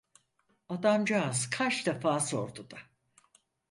Adamcağız kaç defa sordu da!